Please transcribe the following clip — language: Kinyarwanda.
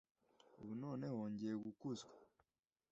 ubu noneho ngiye gukuzwa.